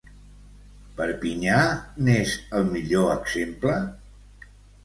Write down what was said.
Perpinyà n’és el millor exemple?